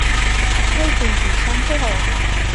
হেই, পিঙ্কি, শান্ত হও।